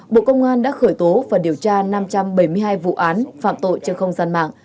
bộ công an đã khởi tố và điều tra năm trăm bảy mươi hai vụ án phạm tội trên không gian mạng